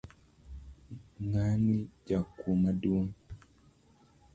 Ngani jakuo maduong.